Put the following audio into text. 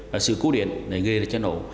và sự cố điện để gây ra cháy nổ